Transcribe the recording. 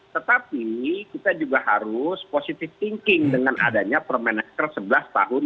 tetapi kita juga harus positive thinking dengan adanya permenaker sebelas tahun dua ribu dua puluh